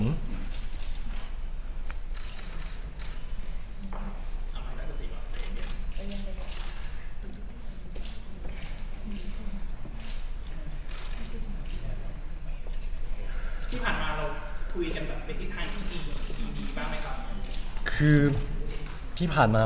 ที่ผ่านมาเราคุยกันแบบเวทิศไทยที่ดีหรือเปล่าไหมครับ